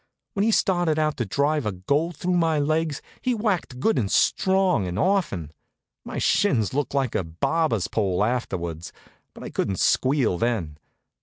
When he started out to drive a goal through my legs he whacked good and strong and often. My shins looked like a barber's pole afterwards; but I couldn't squeal then.